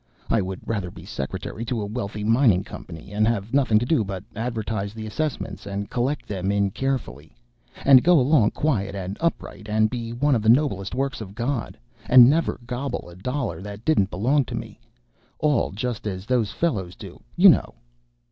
I would rather be secretary to a wealthy mining company, and have nothing to do but advertise the assessments and collect them in carefully, and go along quiet and upright, and be one of the noblest works of God, and never gobble a dollar that didn't belong to me all just as those fellows do, you know.